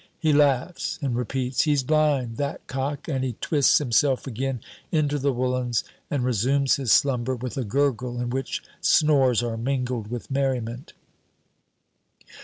He laughs, and repeats, "He's blind, that cock," and he twists himself again into the woolens, and resumes his slumber with a gurgle in which snores are mingled with merriment.